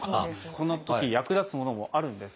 そんなとき役立つのものもあるんです。